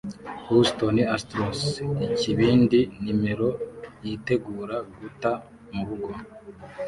Houston Astros ikibindi nimero yitegura guta murugo